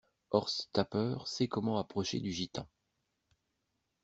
Horst Tapper sait comment approcher du gitan.